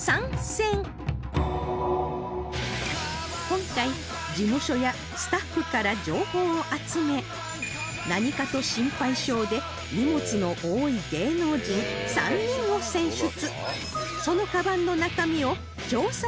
今回事務所やスタッフから情報を集め何かと心配性で荷物の多い芸能人３人を選出